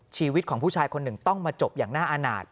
ชีวิตของผู้ชายคนหนึ่งต้องมาจบอย่างน่าอาณาจ